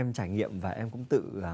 em trải nghiệm và em cũng tự